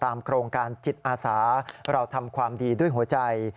โครงการจิตอาสาเราทำความดีด้วยหัวใจ